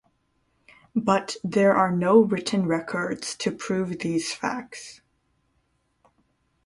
But there are no written records to prove these facts.